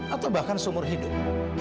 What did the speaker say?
atau bahkan seumur hidup